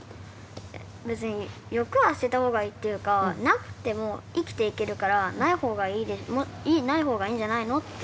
別に欲は捨てた方がいいっていうかなくても生きていけるからない方がいいんじゃないのって。